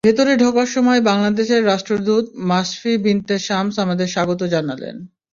ভেতরে ঢোকার সময় বাংলাদেশের রাষ্ট্রদূত মাসফি বিনতে শামস আমাদের স্বাগতম জানালেন।